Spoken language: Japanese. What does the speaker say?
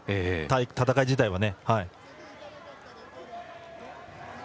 戦い自体は。